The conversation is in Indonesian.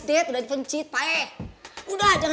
hihihi ya ampun